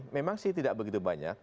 memang sih tidak begitu banyak